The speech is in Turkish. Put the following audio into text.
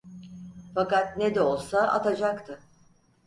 Fakat ne de olsa atacaktı.